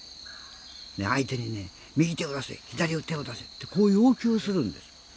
相手にね右手を出せ、左手を出せこういう要求をするんです。